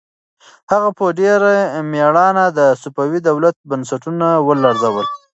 هغه په ډېر مېړانه د صفوي دولت بنسټونه ولړزول.